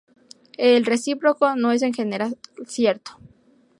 El recíproco no es en general cierto.